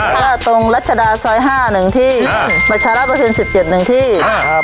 อ่าแล้วก็ตรงรัชดาซอยห้าหนึ่งที่อ่าบรรชาระประเทศสิบเก็บหนึ่งที่อ่า